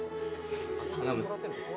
頼む